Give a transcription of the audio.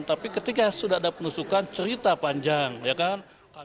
tapi ketika sudah ada penusukan cerita panjang ya kan